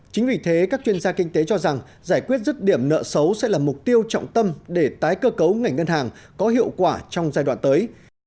chính vì thế các chuyên gia kinh tế cho rằng giải quyết rứt điểm nợ xấu sẽ là mục tiêu trọng tâm để tái cơ cấu ngành ngân hàng có hiệu quả trong giai đoạn tới